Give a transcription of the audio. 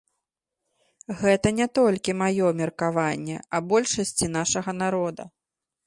Гэта не толькі маё меркаванне, а большасці нашага народа.